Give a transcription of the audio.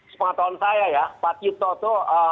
sepengat tahun saya ya pak yuto tuh